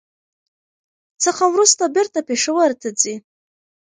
څخه ورورسته بېرته پېښور ته ځي.